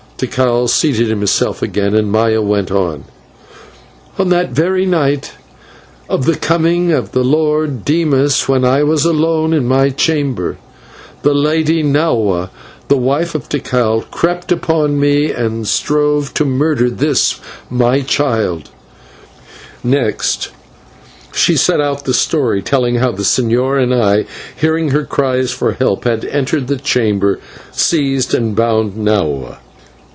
Tikal seated himself again, and Maya went on: "On that very night of the coming of the Lord Dimas, when I was alone in my chamber, the Lady Nahua, the wife of Tikal, crept upon me and strove to murder this my child;" and she set out the story telling how the señor and I, hearing her cries for help, had entered the chamber and seized and bound Nahua.